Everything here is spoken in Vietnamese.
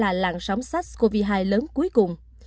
điều này sẽ là làn sóng sars cov hai lớn cuối cùng